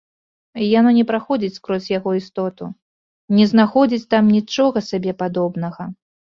Яно не праходзіць скрозь яго істоту, не знаходзіць там нічога сабе падобнага.